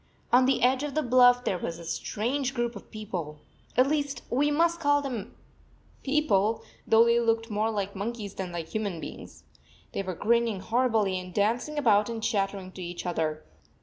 On the edge of the bluff there was a strange group of people. At least we must call them "people," though they looked more like monkeys than like human beings. They were grinning horribly and dancing about and chattering to each other.